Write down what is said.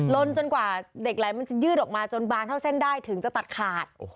ลนจนกว่าเหล็กไหลมันจะยืดออกมาจนบางเท่าเส้นได้ถึงจะตัดขาด